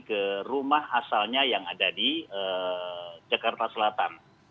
ke rumah asalnya yang ada di jakarta selatan